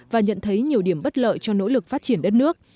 và nhận thấy nhiều điểm bất lợi cho nỗ lực phát triển đất nước